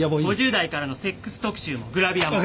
５０代からのセックス特集もグラビアも。